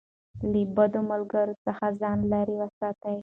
له بدو ملګرو څخه ځان لېرې وساتئ.